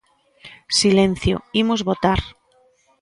¡Silencio, imos votar!